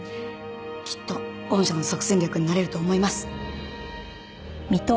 きっと御社の即戦力になれると思います。